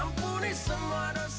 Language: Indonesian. mau lari ular hah